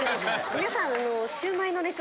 皆さん今。